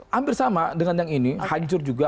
hampir sama dengan yang ini hancur juga